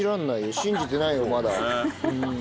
信じてないよまだ。